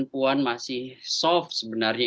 puan masih soft sebenarnya